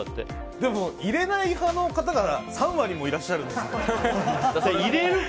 でも、入れない派の方が３割もいらっしゃるんですよ。